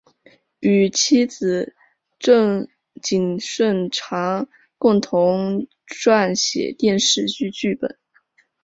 与妻子郑景顺常共同撰写电视剧剧本。